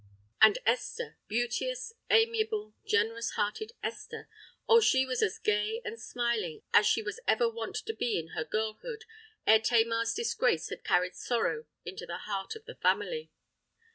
And, Esther—beauteous, amiable, generous hearted Esther,—oh! she was as gay and smiling as she was ever wont to be in her girlhood, ere Tamar's disgrace had carried sorrow into the heart of the family!